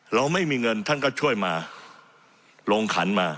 เราไม่มีเงินท่านก็ช่วยมาลงขันมา